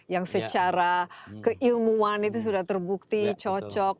yang secara keilmuan itu sudah terbukti cocok